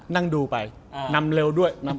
นั่งดูไปนำเร็วด้วย